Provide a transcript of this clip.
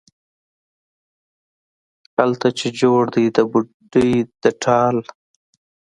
هلته چې جوړ دی د بوډۍ د ټال،